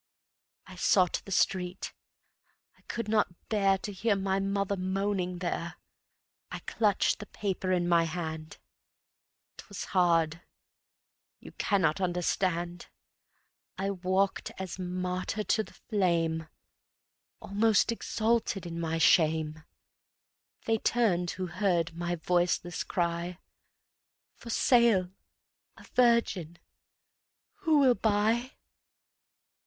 I sought the street, I could not bear To hear my mother moaning there. I clutched the paper in my hand. 'Twas hard. You cannot understand ... I walked as martyr to the flame, Almost exalted in my shame. They turned, who heard my voiceless cry, "For Sale, a virgin, who will buy?"